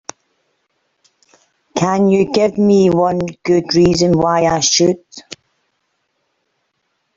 Can you give me one good reason why I should?